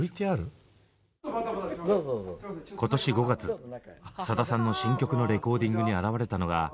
今年５月さださんの新曲のレコーディングに現れたのが。